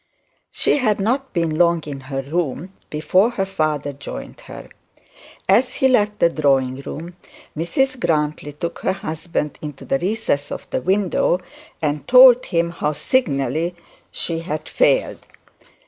She had not been long in her room before her father joined her. As he left the drawing room Mrs Grantly took her husband into the recess of the window, and told him how signally she had failed.